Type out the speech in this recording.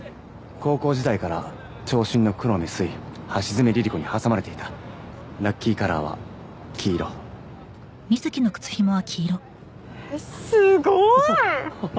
高校時代から長身の黒目すい橋爪リリ子に挟まれていたラッキーカラーは黄色すごーいはは